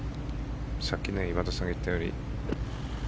さっき今田さんが言ったように。